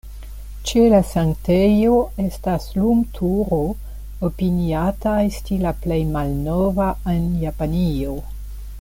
Ĉe la sanktejo estas lumturo, opiniata esti la plej malnova en Japanio.